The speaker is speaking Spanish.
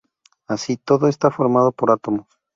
Así, todo está formado por átomos.